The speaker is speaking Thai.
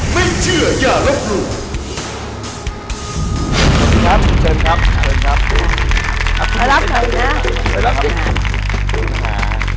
ไปรับเธอนะ